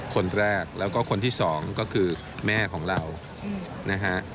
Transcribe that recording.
คนแรกแล้วก็คนที่สองก็คือแม่ของเรานะฮะ